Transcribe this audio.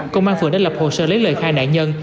công an phường đã lập hồ sơ lấy lời khai nạn nhân